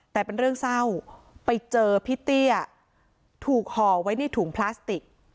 แต่เป็นเรื่องเศร้าไปเจอพี่เตี้ยถูกห่อไว้ในถุงพลาสติก